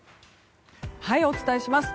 お伝えします。